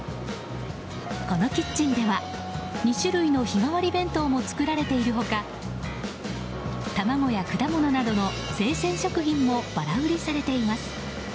このキッチンでは２種類の日替わり弁当も作られている他卵や果物などの生鮮食品もばら売りされています。